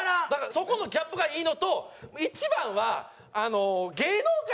そこのギャップがいいのと一番は芸能界に染まってない。